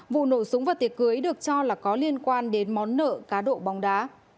vụ nổ súng vào tiệc cưới được cho là có liên quan đến món nợ cá độ bóng đá